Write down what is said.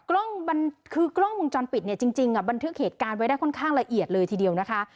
กล้องมันคือกล้องวงจรปิดเนี่ยจริงบันทึกเหตุการณ์ไว้ได้ค่อนข้างละเอียดเลยทีเดียวนะคะ